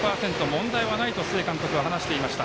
問題はないと須江監督は話していました。